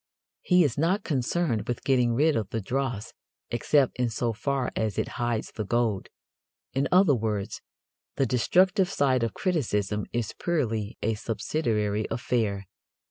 He is not concerned with getting rid of the dross except in so far as it hides the gold. In other words, the destructive side of criticism is purely a subsidiary affair.